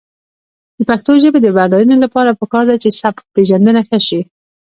د پښتو ژبې د بډاینې لپاره پکار ده چې سبکپېژندنه ښه شي.